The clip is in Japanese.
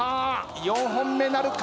４本目なるか？